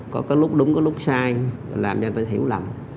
có lúc đúng có lúc sai làm cho người ta hiểu lầm